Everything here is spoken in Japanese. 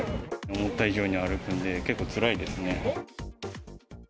思った以上に歩くんで、結構つらいですね。